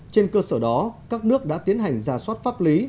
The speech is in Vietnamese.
trên cơ sở đó các nước đã tiến hành ra soát pháp lý